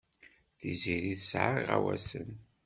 Tiziri tesɛa iɣawasen.